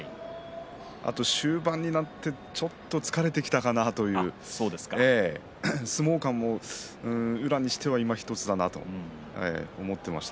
あと終盤になってちょっと疲れてきたかなという相撲勘も宇良にしてはいまひとつだと思っていました。